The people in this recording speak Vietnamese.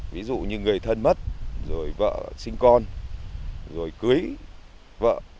ví dụ như người thân mất rồi vợ sinh con rồi cưới vợ